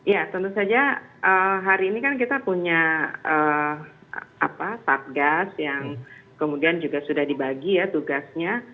ya tentu saja hari ini kan kita punya satgas yang kemudian juga sudah dibagi ya tugasnya